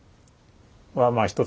あ